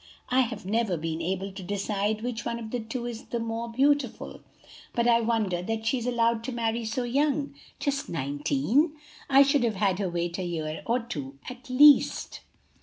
I have never been able to decide which of the two is the more beautiful; but I wonder that she is allowed to marry so young just nineteen! I should have had her wait a year or two at least."